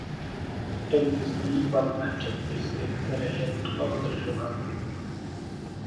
Existují platné předpisy, které je nutno dodržovat.